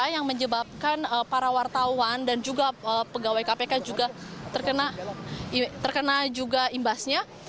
yang menyebabkan para wartawan dan juga pegawai kpk juga terkena juga imbasnya